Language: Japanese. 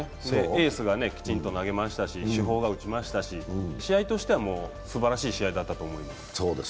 エースがきちんと投げましたし主砲が打ちましたし、試合としてはすばらしい試合だったと思います。